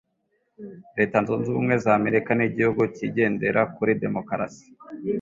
Reta zunzubumwe zamerika nigihugu kigendera kuri demokarasi.